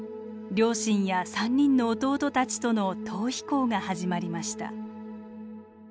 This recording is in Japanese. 両親や３人の弟たちとの逃避行が始まりました。